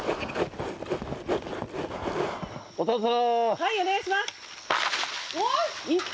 はい、お願いします。